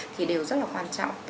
thì đều rất là quan trọng